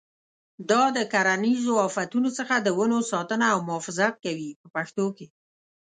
دا د کرنیزو آفتونو څخه د ونو ساتنه او محافظت کوي په پښتو کې.